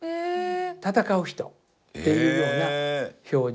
戦う人っていうような表情。